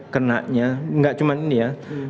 kenaknya enggak cuma ini ya